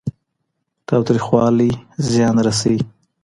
تاوتريخوالی زيان رسوي.